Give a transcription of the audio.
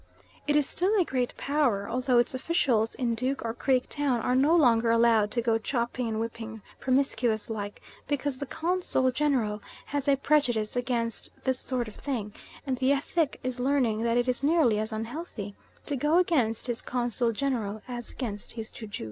It is still a great power, although its officials in Duke or Creek Town are no longer allowed to go chopping and whipping promiscuous like, because the Consul General has a prejudice against this sort of thing, and the Effik is learning that it is nearly as unhealthy to go against his Consul General as against his ju ju.